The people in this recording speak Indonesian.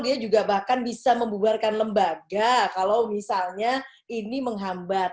dia juga bahkan bisa membubarkan lembaga kalau misalnya ini menghambat